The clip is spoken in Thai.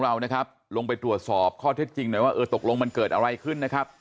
เรานะครับลงไปตรวจสอบข้อเท็จจริงหน่อยว่าเออตกลงมันเกิดอะไรขึ้นนะครับ